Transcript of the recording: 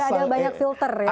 ada banyak filter ya